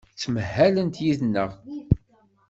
Ttmahalent yid-neɣ.